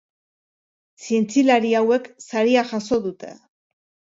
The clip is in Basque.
Zientzialari hauek saria jaso dute.